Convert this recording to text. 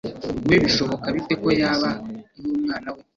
we bishoboka bite ko yaba n umwana we